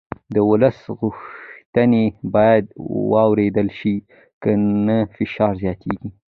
د ولس غوښتنې باید واورېدل شي که نه فشار زیاتېږي